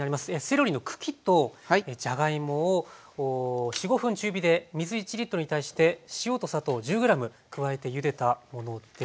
セロリの茎とじゃがいもを４５分中火で水１に対して塩と砂糖１０ｇ加えてゆでたものです。